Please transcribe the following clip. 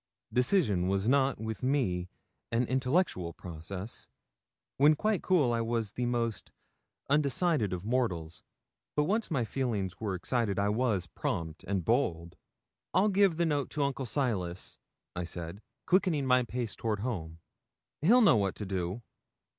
Decision was not with me an intellectual process. When quite cool I was the most undecided of mortals, but once my feelings were excited I was prompt and bold. 'I'll give the note to Uncle Silas,' I said, quickening my pace toward home; 'he'll know what to do.'